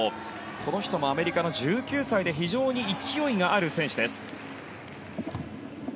この人もアメリカの１９歳で非常に勢いがある選手です。